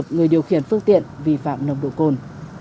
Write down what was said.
người điều khiển phương tiện vi phạm nồng độ cồn